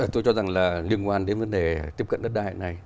tôi cho rằng liên quan đến vấn đề tiếp cận đất đai này